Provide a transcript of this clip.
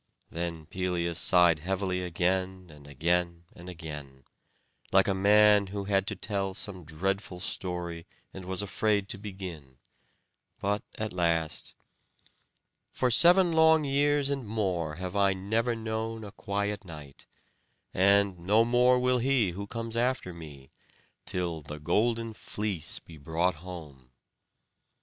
Then Pelias sighed heavily again and again and again, like a man who had to tell some dreadful story and was afraid to begin; but at last: "For seven long years and more have I never known a quiet night; and no more will he who comes after me, till the golden fleece be brought home."